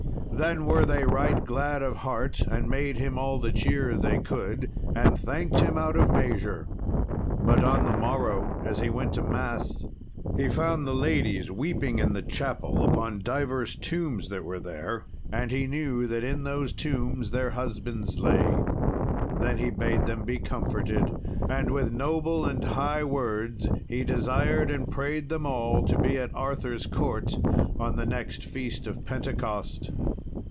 Then were they right glad of heart and made him all the cheer they could, and thanked him out of measure. But on the morrow as he went to mass he found the ladies weeping in the chapel upon divers tombs that were there. And he knew that in those tombs their husbands lay. Then he bade them be comforted, and with noble and high words he desired and prayed them all to be at Arthur's court on the next Feast of Pentecost.